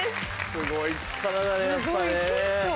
すごい力だねやっぱね。